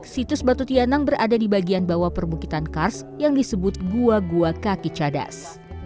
situs batu tianang berada di bagian bawah perbukitan kars yang disebut gua gua kaki cadas